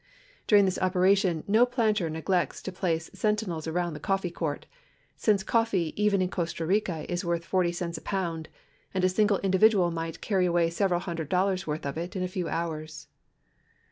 During this operation no planter neglects to place sentinels around the coffee court, since coffee even in Costa Rica is worth 40 cents a pound, and a single individual might carry away several hundred dollars' worth of it in a fe^v hours.